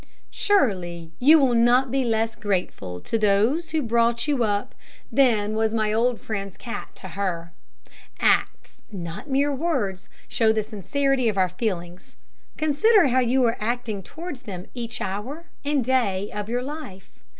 Surely you will not be less grateful to those who brought you up than was my old friend's cat to her. Acts, not mere words, show the sincerity of our feelings. Consider how you are acting towards them each hour and day of your life.